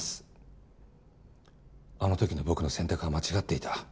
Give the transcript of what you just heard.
あの時の僕の選択は間違っていた。